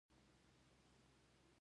د سمنټو فابریکه په غوري کې ده